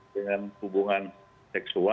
dengan hubungan seksual